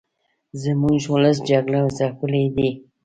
زموږ ولس جګړو ځپلې دې